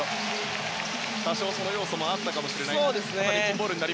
多少、その要素もあったかもしれません。